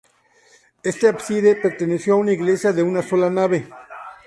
Este ábside perteneció a una iglesia de una sola nave.